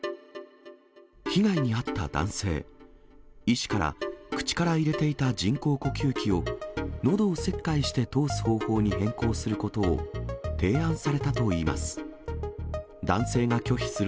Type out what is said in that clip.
被害に遭った男性、医師から、口から入れていた人工呼吸器を、のどを切開して通す方法に変更することを提案されたといいます。